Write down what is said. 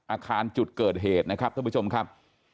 อาคารจุดเกิดเหตุนะครับท่านผู้ชมครับ